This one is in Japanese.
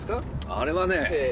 あれはね